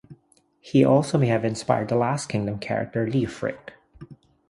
He also may have inspired "The Last Kingdom" character, "Leofric".